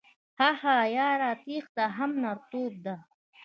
هههههه یاره تیښته هم نرتوب ده